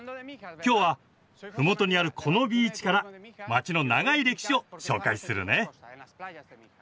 きょうはふもとにあるこのビーチから街の長い歴史を紹介するね。